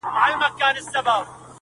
چي وژلی یې د بل لپاره قام وي -